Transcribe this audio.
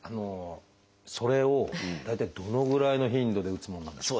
それを大体どのぐらいの頻度で打つものなんでしょう？